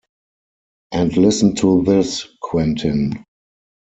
And listen to this, Quentin.